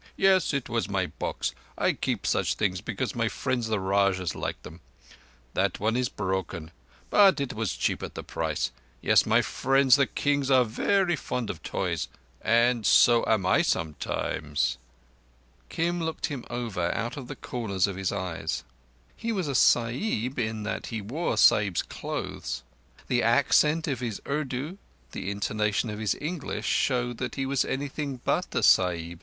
"Yes, it was my box. I keep such things because my friends the Rajahs like them. That one is broken, but it was cheap at the price. Yes, my friends, the Kings, are very fond of toys—and so am I sometimes." Kim looked him over out of the corners of his eyes. He was a Sahib in that he wore Sahib's clothes; the accent of his Urdu, the intonation of his English, showed that he was anything but a Sahib.